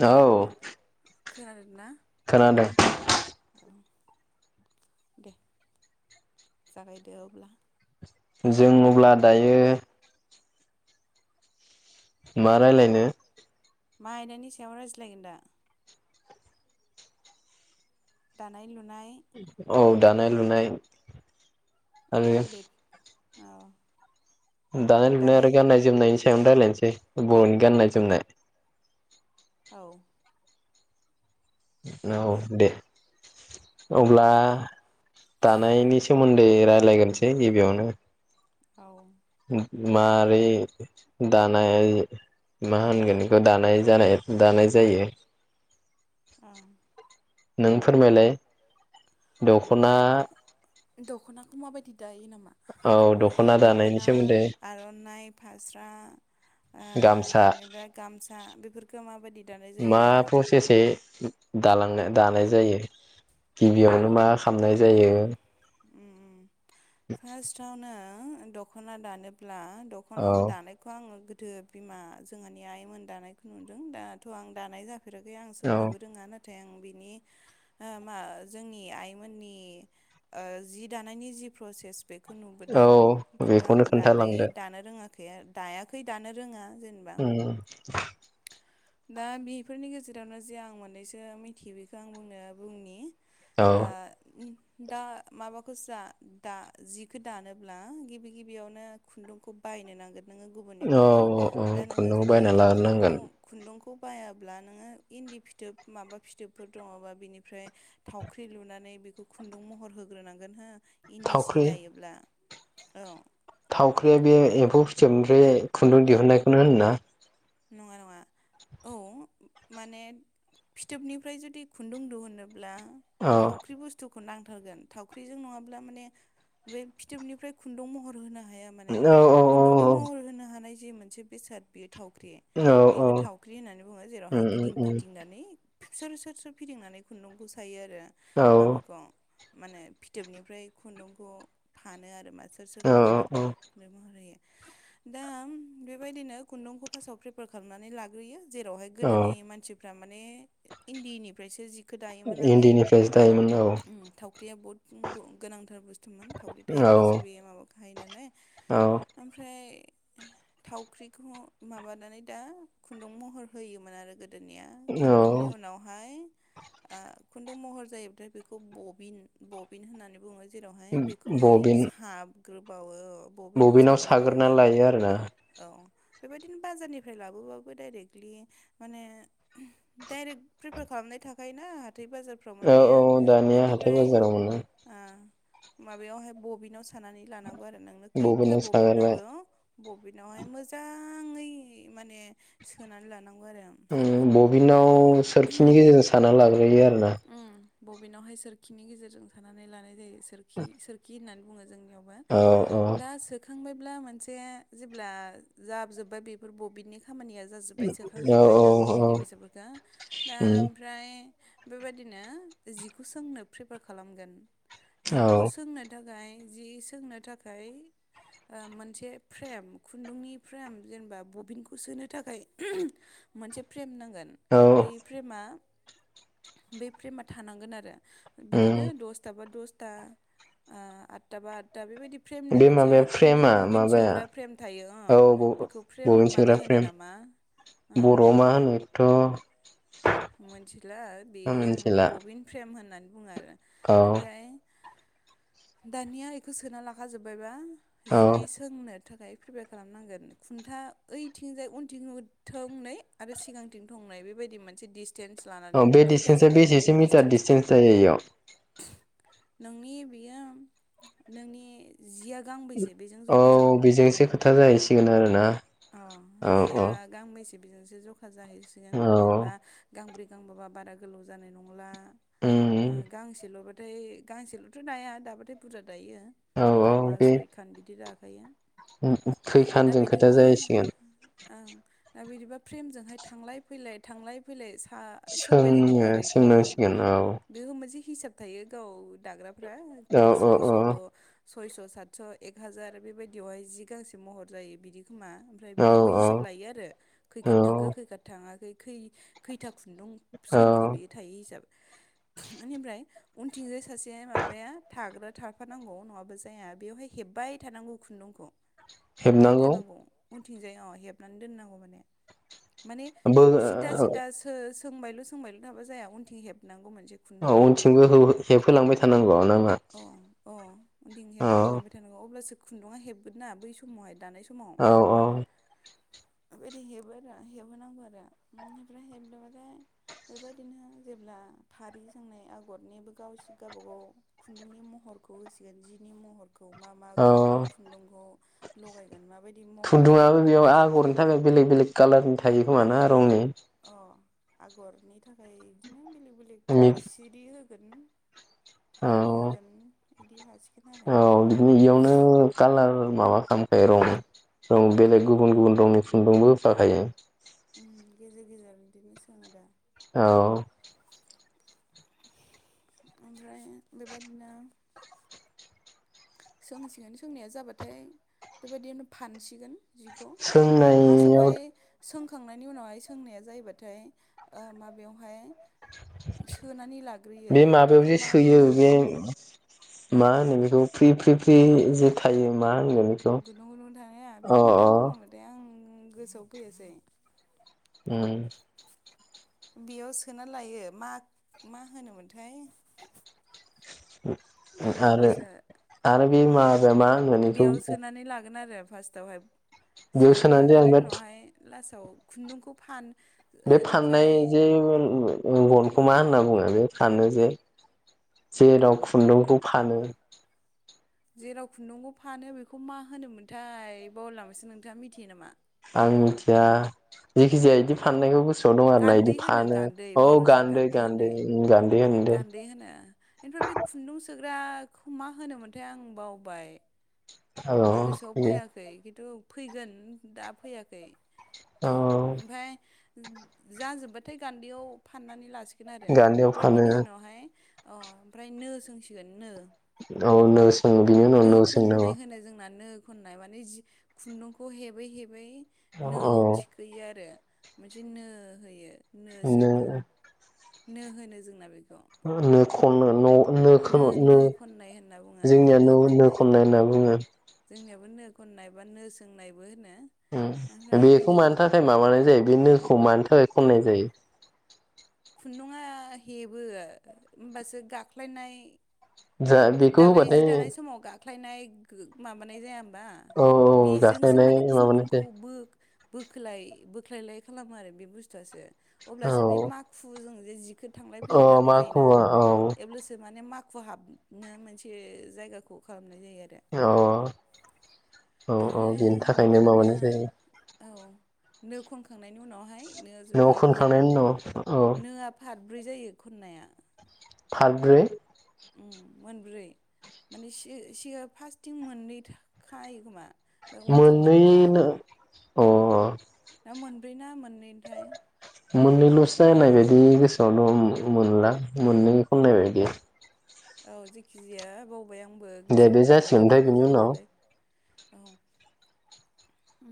औ। खोनादों ना? खोनादों। [inaudible] दे [inaudible] जागायदो अब्ला। जों अब्ला दायो मा रायलायनो? मा आयदानि सायाव रायज्लायगोन दा? दानाय लु औ। दानाय लुनाय। आरो? बे औ दानाय लुनाय आरो गाननाय जोमनायनि सायावनो रायलायनोसै। बर'नि गाननाय -जोमनाय औ औ दे। अब्ला दानायनि [unintelligible] [unintelligible] रायलायगोनसै गिबियावनो। औ मारै दानाय मा होनगोन बेखौ दानाय जानाय दानाय जायो। उम। नों फोरमायलाय दख'ना दख'नाखौ माबायदि दायो नामा? औ दानायनि दख'ना सोमोन्दै आर'नाइ फास्रा गामसा [unintelligible] इनिफ्राय गामसा बेफोरखो माबायदि दानाय जायो। दालांनो- दानाय जायो गिबियावनो मा? खामनाय जायो। फारटसावनो दख'ना दानोब्ला औ दख'नाखो दानायखौ आङो गोदो बिमा जोंहानि आइमोन दानायखौ नुदों दाथ' आं दानाय [unintelligible] [unintelligible] आं औ सोंनोबो रोङा ओमफ्राय बिनि मा जोंनि आइ मोननि ओ जि दानायनि जि प्रसेस बेखौ औ नुबोदों खिन्थु बेखौनो आं दानाय खोन्थालांदो दानो रोङा दायाखै दानो रोङा। जेनेबा उम। [unintelligible] दा बेफोरनि गेजेरावनो जे आं मोननैसो मिथियो बेखौ आं बुंनो बुंनि। ओ औ। दा माबाखौ जा दा जिखौ दानोब्ला गिबि गिबियावनो खुन्दुंखौ बायनो नांगोन। नोङो औ गुबुननिफ्राय औ दा नोङो खुन्दुं जुदि बायना खम्ब' लाग्रोनांगोन खुन्दुंखौ बायाब्ला नोङो इन्दि फिथोब माबा फिथोबफोर दङबा बिनिफ्राय थावख्रि लुनानै बेखौ खुन्दुं महर होग्रोनांगोन हो। इन्दि सि थावख्रि दायोब्ला। औ थावख्रिया बे एम्फौ फिथोबनिफ्राय खुन्दुं दिहुननायखौनो होना ना? नङा- नङा औ माने फिथोबनिफ्राय जुदि खुन्दुं दुहोनो ब्ला औ थावख्रि बुस्थु नांथारगोन थावख्रिजों नङाब्ला माने बे फिथोबनिफ्राय खुन्दुं महर होनो हाया माने औ औ खुन्दुंनि महर होनो हानाय जि मोनसे बेसाद बेयो थाव ख्रि औ औ बेखौ थावख्रि होननानै बुङो जेरावहाय उम उम गिदिं उम गिदिंनानै सोर -सोर -सोर फिदिंनानै खुन्दुंखौ सायो आरो। रो औ माबाखौ माने फिथोबनिफ्राय खुन्दुंखौ फानो आरो मा सोर- सोर औ खामनानै औ महर होयो। दा बेबायदिनो खुन्दुंखौ सावख्रि बोखारनानै लाग्रोयो। जेरावहाय औ गोदोनि मानसिफ्रा माने इन्दिनिफ्रायसो जिखो दायोमोन नालाय इन्दिनिफ्रायसो दायोमोन औ उम थाव ख्रिया बहुद गुन‌ दं गोनांथ बुस्थुमोन थावख्रि औ थायोब्लासो बेयो माबा खायो नालाय औ ओमफ्राय थावख्रिखौ माबानानै दा खुन्दुं महर होयोमोन आरो गोद निया औ खुन्दुंनि उनावहाय आ खुन्दुं महर जायोबाथाय बेखौ बबिन- बबिन होननानै बुङो जेरावहाय बेखौहाय बबिन साब ग्रोबावो बबिनाव साग्रोबावो साग्रोना लायो आरोना औ बेबायदिनो बाजारनिफ्राय लाबोबाबो डाइरेक्टलि माने डाइरेक्ट प्रिफार खालामनाय थाखायोना हाथाय बाजारफ्राव औ औ मोननाया दानिया हाथाय बेनिफ्राय बाजाराव मोनो आ माबायावहाय बबिनाव सो थानानै लानांगौ आरो नोंनो खैथा बबिनाव बबिन सागारबाय नांगौ बबिनावहाय मोजां जाङै माने सोनानै लानांगौ आरो ओम बबिनाव सोरखिनि गेजेरजों साना लाग्रोयो आरो ओम बबेनावहाय सोरखिनि गेजेरजों सानानै लानाय जायो सोरखि -सोरखि होननानै बुङो जों यावबो औ औ दा सोखांबाय अब्ला मोनसे जेब्ला जाब जोब्बाय बेफोर बबेनि खामानिया जाजोबबाय औ औ सोखांजोबबाय नांगौखिनि बेसादफोरखौ दा उम ओमफ्राय बेबायदिनो जिखौ सोंनो प्रिफार खालामगोन। औ जिखौ सोंनो थाखाय। जि सोंनो थाखाय आ मोनसे फ्रेम खुन्दुंनि फ्रेम जेनेबा बबिनखौ सोनो थाखाय मोनसे फ्रेम नांगौ। गोन औ बे फ्रेमा बे फ्रेमा थानांगोन आरो। बिदिनो उम दसथाबा दस ता आ आतताबा आतता बेबायदि। फ्रेमनि बे मोनसे माबाया खुन्दुं फ्रेमा बबिन माबाया सोग्रा फ्रेम थायो अ औ बेखौ फ्रेम बबिन मानो सोग्रा होनो फ्रेम नामा? ओम। बर'आव मा होनो बेखौथ' मोनथिला बे आं बबेनिफ्राय आं। होननानै बुङो आरो औ ओमफ्राय दानिया इखौ सोना लाखाजोबबायबा औ जि सोंनो थाखाय प्रिपेयार खालामनांगोन खुन्था ओइथिंजाय उनथिं थोंनै आरो सिगांथिं थंनै बेबायदि मोनसे सेदिस औ बे नों खैथा डिसटेन्सआ सोंगोन बेसेसो मिनि मिटार स्टेन्सखौ डिसटेन्स जायो इयाव नोंनि बियो नोंनि जिया गांबैसे बेजों औ जखा जागोन बेयो बेजोंसो खोथा जायोसै थिगोन आरो ना। अ जिया गांबैसे? बेजोंसो ज जाहैसिगोन औ जेनेबा गांब्रै। गांबाबा बारा गोलाव जानाय नंला। उम गांसेल' बे ओमथाय गांसेल'थ' नाया दाबाथाय बुरजा। दायो औ औ गांबा बे सयखान बिदि राख गफाया खैखानजों खोथाया जायसे ओं। दा बिदिबा फ्रेमजोंहाय थांलाय फैलाय थांलाय फैलाय सोंबाय थानांगौ सोंनो आरो बेखौ आं सोंनांसिगोन औ बेखौ मोनसे हिसाब थायो गाव दाग्रा ओमफ्राय औ औ सयस'बो' सयस' सातस' एक हाजार बेबायदियावहाय जि गांसे महर जायो बिदिखोमा ओमफ्राय औ बिदिखौ हिसाब लायो आरो औ खैखार थांखो खैखार थाङाखै खैथो खुन्दुं औ सोंखो बेयो थायो हिसाबै बेनिमफ्राय उनथिंजाय सासे माबाया थाग्रा थाफानांगौ नङाबा जाया बेवहाय हेब्बाय थानांगौ खुन्दुंखौ हेब्बाय हेबनांगौ थानांगौ उनथिंजाय अ हेबनानै दोननांगौ माने माने बो सिदा सिदा सो सोंबायल' सोंबायल' थाबा जाया उनथिं हेबनांगौ मोनसे औ खुन्दुंखौ उनथिंबो हेबहोलांबाय थानांगौ न अ अ उ दिं हेबहोलांबाय थानांगौ अब्लासो खुन्दुङा हेगोना बै समावहाय दानाय सम औ औ बेबायदि हेबो आरो हेबहोनांगौ आरो ओमफ्राय हेबदोंबाथाय बेबायदिनो जेब्ला फारि जोंनाय आगरनिबो गाव गावबागाव खुन्दुंनि महरखौ होसिगोन जिनि महर खौ मा मा औ खुन्दुंखौ [inaudible] महर होगोन खुन्दुङाबो बेयाव जिखौ आगरनि थाखाय बेलेग बेलेग कालारनि थायो नंगौ ना रंनि औ आगरनि थाखाय बिदिनो बेले सिरि [inaudible] औ फालि होगोन इदिर हाजि औ बिदिनो बेयावनो कालार माबा खाम रं दं उम बेलेग गुबुन गुबुन दं फुन्दुंबो जाखायो उम गेजेर गेजेर बिदिनो सोङो दा औ ओमफ्राय बेबायदिनो सोंसिगोन सोंनाया जाबाथाय बेबायदिनो फानसिगोन। जिखौ सोंनायाव फार्स्टआवहाय सोंखांनायनि उनावहाय सोंनाया जायोबाथाय ओ माबायावहाय सोनानै लाग्रोयो बे माबायाव बेखौ जे मा सोयो बुङोमोन? बे मा होनो बेखौ फ्रि फ्रि फ्रि जे थायो मा होनगोन बेखौ गोदुं गोदुंआवनो थानाया अ बेखौ मा अ बुङोमोनथाय आं गोसोआव फैयासै उम बेयाव सोना लायो मा मा होनोमोनथाय नोंथाङा आरो बावलायलांबायसो आरो बेमार बे मा होनगोन बेखौ फासथावहाय बेयाव सोना सोनानै जे आं लाखांनायनि बे उनावहाय लास औ खुन्दुंखौ फान बे फाननाय ओनिफ्राय जे गनखौ मा होनना बुङो बे फानो जे जेराव खुन्दुंखौ फानो। जेराव खुन्दुंखौ फानो बेखौ मा होनोमोनथाय बावलायलांबायसो नोंथाङा मिथियो नामा? आं मिथिया जेखि जाया बिदि फाननायखौ गो सोआव दं आरोना गान्दै इदि होनो फानो बेनि गान्दै औ बावदोंसो गान्दै गान्दै होनदो गान्दै। होनो दे गान्दै होना ओनिफ्राय बे खुन्दुंसो। फ्राख मा होनोमोनथाय आं बावबाय। औ गोसोआव फैयाखै खिन्तु फैगोन दा फैयाखै। औ ओफाय जाजोबबा फाय गान्दैयाव फाननानै ला गोनारो। गान्दैयाव ओमफ्राय फानो बिनि उनावहाय अ ओमफ्राय नो सोंसिगोन नो। औ नो सोङो बिनि उनाव नो सोंनांगौ। खननाय होनो जोंना नो खननाय माने जि खुन्दुंखौ हेबै हेबै औ नोआव थिखोयो आरो। मोनसे नो होयो। नो सोङो। नो होनो जोंना बेखौ। [unintelligible] खननो न'। नोखौ नो खननाय होनना बुङो जोंनियानो नो खननाय होनना बुङो आरो। जों। जोंनियाबो नो खननाय बा नो सोंनायबो होनो। ओमफ्राय ओम बिदि बेखौ होन मानो थाखाय माबानाय जायो बे नोखौ मानो थाखाय। थाखाय खननाय जायो। खुन्दुङआ हेबो होमबासो गाख्लायनाय। जा बेखौ होबाथाय ख्लायनाय गो माबानाय जाया। बा औ बेजोंसो गाख्लायनाय माने माबानाय खुन्दुंखौ जायो बो। बोखोलाय बोख्लायलाय खालामो आरो बे बुस्थुआसो। अब्लासो बे औ माख। बो जों जे जि। खो थांलाय अ फैलाय दानाय जायोना माखुवा औ एब्लासो माने माख। खु हाबनो मोनसे जायगाखौ खालाम। औ औ औ औ ओमफ्राय बेनि थाखायनो बेबायदिनो माबानाय जायो। औ नो खनखांनायनि उनावहाय। नो खोनखांनायनि उनाव ओ नो आफाद ब्रै जायो खन्नाया। हालदै। उम मोनब्रै माने सि सिया फासथिं मोननै थाखायो खोमा। ओमफ्राय उनथिं मोननै मोननैनो। अ। दा मोनब्रै ना मोननैथाय। [inaudible] औ जेखिजाया बाव बाय आंबो दे गोसोआव बे जासिगोन थायासै ओमफ्राय गोबाव बिनि जाबाय नालाय। उनाव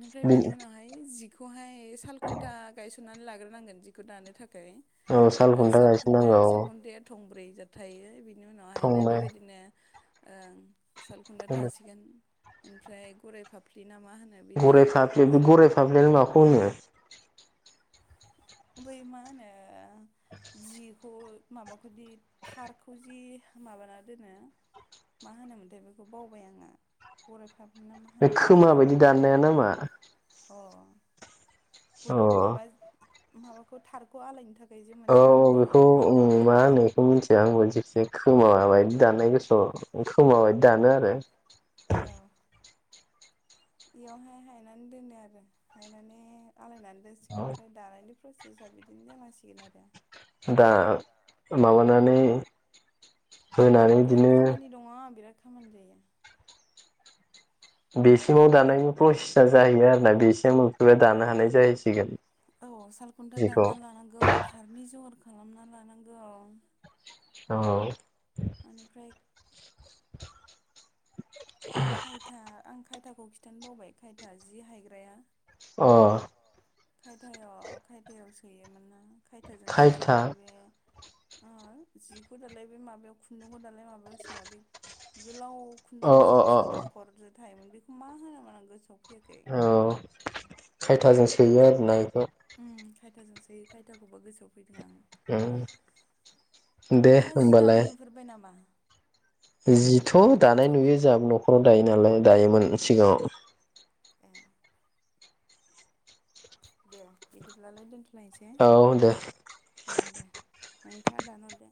निफ्राय बिनि उनावहाय जि खौहाय। साल खुन्था गाय सुनानै लाग्रोनांगोन जिखौ दानो थाख खै औ साल खुन्था सालखुन्था गायसननांगौ सालखुन्थाया थंब्रै थायो बि बिनि उनावहायनो थंनै बेबायदिनो। ओं। सालखुन्था थंनै थासिगोन। ओनफ्राय गोराय फाफ्लि ना मा होन गराइ फाफ्लि बे गराइ फाफ्लियालाय माखौ होनो। बै मा होनो जिखौ माबाखौ दि थारखौ जि माबाना दोनो मा होनोमोनथाय बेखौ बावबाय आङो गराय फाबनि बे खोमोआ बायदि दाननाया नामा? बुद माबा माबाखौ थारखौ आलायनो थाखै औ बेखौ उम मा होनो बेखौ मिनथिया आंबो जे खोमाबायदि दाननाय [unintelligible] खोमा बायदि दानो आरो। बेयावहाय हायनानै दोनो आरो हायनानैहाय आलायनानै सिगोन फ्राय दानायनि प्रसेसा बिदिनो जालांसिगोन आरो। दा माबानानै। होनानै इदिनो खोमोन गैया, बेसिमाव दानायनि पइस जाहैयो आरो ना बेसिम मोनफैबा दानो हानाय जायो हैगोन औ सालखुन्था दानना लानांगौ थारनि जर खालामना लानांगौ, औ ओनफ्राय खायथा आंग खायथाखौ खिथानो बावबाय खायथा जि हायग्राया अह खायथायाव खायथायाव सोयोमोन ना? खायथाजोंसो खायथा सोयोमोन बे, [unintelligible] जिखौ दालाय बे माबायाव खुन्दुंखौ दालाय माबायाव सोआ बे गोलाव खुन्दुं अ फिसा अ अ फिसा न'खर जो थायोमोन बेखौ मा होनोमोन आं गोसोआव फैयाखै औ खायथाजों सोयो आरो ना इखौ? थाजों सोयो खायथाखौबो गोसोआव फैदों आं ओं दे नोंथाङा जि होमबालाय दानाय नुफेरबाय नामा? जिथ' दानाय नुयो जाहाबो न'खराव दायो नालाय दायोमोन सिगाङाव। ए दे बिदिब्लालाय दोनथ' औ दे। ओ दे नोंथाङा दानहरदो।